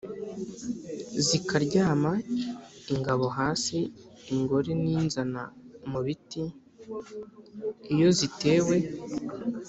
zikaryama, ingabo hasi, ingore n’inzana mu biti. Iyo zitewe,